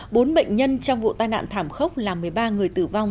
bốn bệnh nhân trong vụ tai nạn thảm khốc là một mươi ba người tử vong